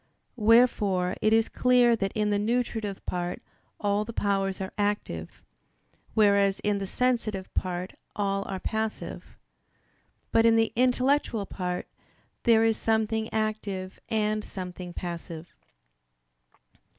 Wherefore it is clear that in the nutritive part all the powers are active, whereas in the sensitive part all are passive: but in the intellectual part, there is something active and something passive.